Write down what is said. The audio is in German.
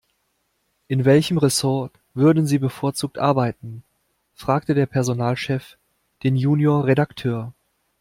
In welchem Ressort würden Sie bevorzugt arbeiten?, fragte der Personalchef den Junior-Redakteur.